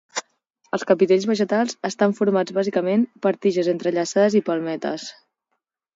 Els capitells vegetals estan formats bàsicament per tiges entrellaçades i palmetes.